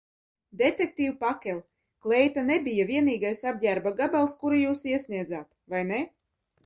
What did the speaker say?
Detektīv Pakel, kleita nebija vienīgais apģērba gabals, kuru jūs iesniedzāt, vai ne?